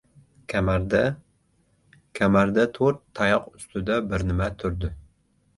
Kamarda... kamarda to‘rt tayoq ustida bir nima turdi.